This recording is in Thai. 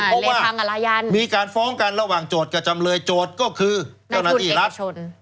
บอกว่ามีการฟ้องกันระหว่างโจทย์กับจำเลยโจทย์ก็คือในทุนเอกชน